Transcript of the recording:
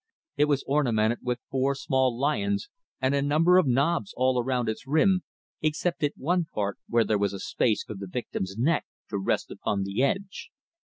It was ornamented with four small lions and a number of knobs all around its rim, except at one part where there was a space for the victim's neck to rest upon the edge.